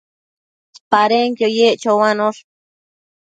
Padenquio yec choanosh